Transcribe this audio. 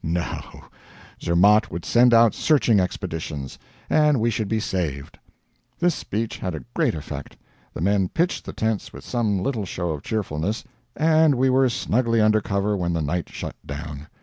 No, Zermatt would send out searching expeditions and we should be saved. This speech had a great effect. The men pitched the tents with some little show of cheerfulness, and we were snugly under cover when the night shut down.